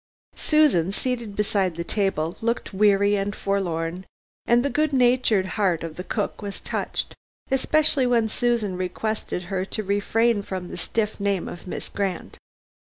Susan seated beside the table, looked weary and forlorn, and the good natured heart of the cook was touched, especially when Susan requested her to refrain from the stiff name of Miss Grant.